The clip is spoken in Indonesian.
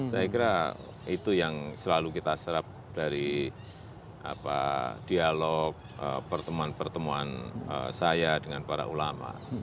saya kira itu yang selalu kita serap dari dialog pertemuan pertemuan saya dengan para ulama